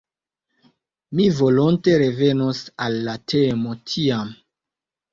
Mi volonte revenos al la temo tiam.